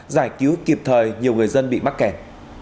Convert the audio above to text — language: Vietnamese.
giải cứu kịp thời nhiều người dân bị mắc kẹt